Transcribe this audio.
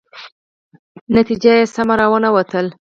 نتیجه یې سمه را ونه وتله.